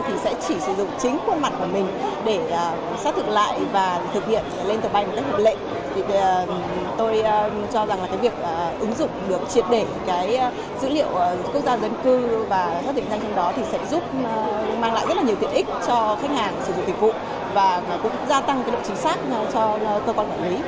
thì sẽ chỉ sử dụng chính khuôn mặt của mình để sát thử